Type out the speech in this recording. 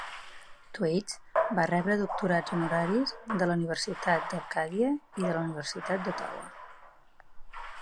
Twaits va rebre doctorats honoraris de la Universitat d'Arcàdia i de la Universitat d'Ottawa.